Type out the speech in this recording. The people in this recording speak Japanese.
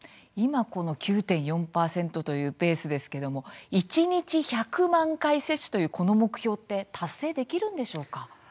今９．４％というペースですけれども一日１００万回接種というこの目標達成できるんでしょうか。